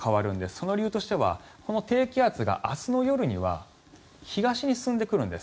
その理由としてはこの低気圧が明日の夜には東に進んでくるんです。